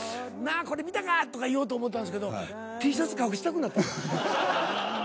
「なあこれ見たか？」とか言おうと思ったんすけどＴシャツ隠したくなった。